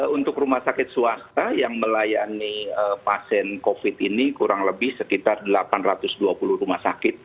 untuk rumah sakit swasta yang melayani pasien covid ini kurang lebih sekitar delapan ratus dua puluh rumah sakit